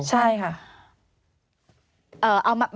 ใช่ค่ะ